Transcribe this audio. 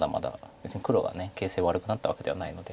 別に黒が形勢悪くなったわけではないので。